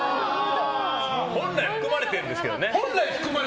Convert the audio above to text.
本来、含まれてるんですけどね。